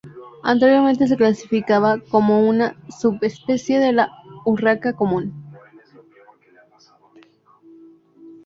Anteriormente se clasificaba como una subespecie de la urraca común.